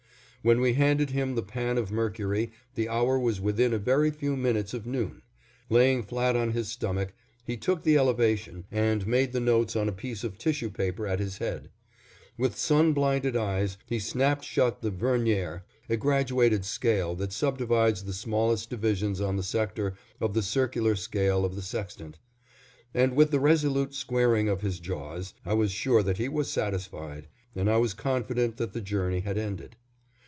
When we handed him the pan of mercury the hour was within a very few minutes of noon. Laying flat on his stomach, he took the elevation and made the notes on a piece of tissue paper at his head. With sun blinded eyes, he snapped shut the vernier (a graduated scale that subdivides the smallest divisions on the sector of the circular scale of the sextant) and with the resolute squaring of his jaws, I was sure that he was satisfied, and I was confident that the journey had ended.